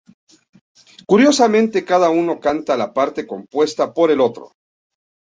Curiosamente, cada uno canta la parte compuesta por el otro.